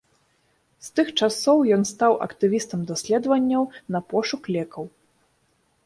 З тых часоў ён стаў актывістам даследаванняў на пошук лекаў.